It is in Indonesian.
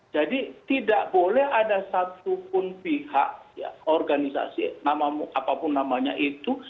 jadi tidak boleh ada satupun pihak organisasi apapun namanya itu